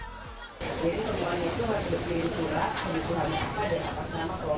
jadi semuanya itu harus dikirim curhat perikuhannya apa dan akan senama kelompoknya